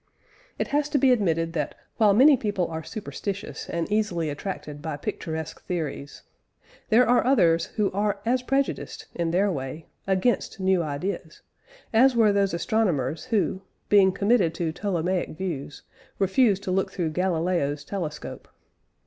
It has to be admitted that, while many people are superstitious and easily attracted by picturesque theories, there are others who are as prejudiced, in their way, against new ideas, as were those astronomers who, being committed to Ptolemaic views, refused to look through Galileo's telescope.